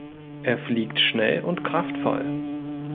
Er fliegt schnell und kraftvoll.